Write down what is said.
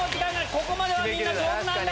ここまではみんな上手なんだ。